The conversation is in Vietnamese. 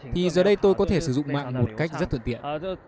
thì giờ đây tôi có thể sử dụng mạng một cách rất thuận tiện